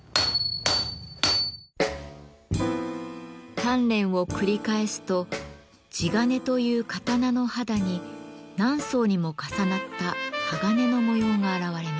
鍛錬を繰り返すと地鉄という刀の肌に何層にも重なった鋼の模様が現れます。